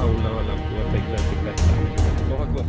allah aku ingin melakukan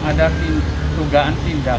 apa apa